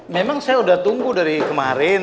memang saya sudah tunggu dari kemarin